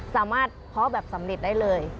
สามารถเพาะแบบสำนีดได้เลย